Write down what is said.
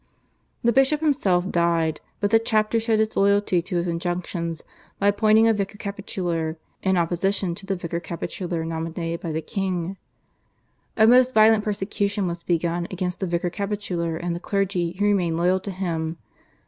The bishop himself died, but the chapter showed its loyalty to his injunctions by appointing a vicar capitular in opposition to the vicar capitular nominated by the king. A most violent persecution was begun against the vicar capitular and the clergy who remained loyal to him.